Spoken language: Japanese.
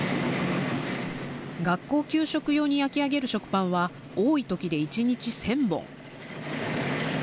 学校給食用に焼き上げる食パンは多いときで１日１０００本。